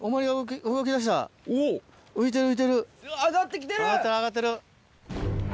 上がってる上がってる。